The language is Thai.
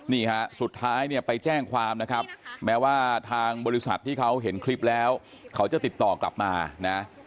นี่ฮะสุดท้ายเนี่ยไปแจ้งความนะครับแม้ว่าทางบริษัทที่เขาเห็นคลิปแล้วเขาจะติดต่อกลับมานะ